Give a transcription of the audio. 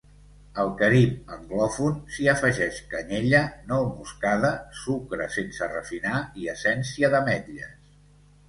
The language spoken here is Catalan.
Al Carib anglòfon s'hi afegeix canyella, nou moscada, sucre sense refinar, i essència d'ametlles.